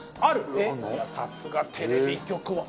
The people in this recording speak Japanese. さすがテレビ局は。